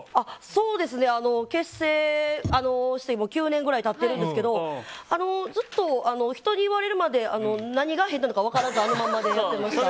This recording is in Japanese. そうですね、結成して９年ぐらい経ってるんですけどずっと人に言われるまで何が変なのか分からずあのままでやっておりました。